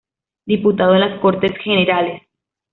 Diputado en las Cortes Generales.